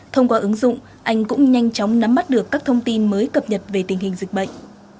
thông qua ứng dụng anh cũng nhanh chóng nắm mắt được các thông tin mới cập nhật về tình hình dịch bệnh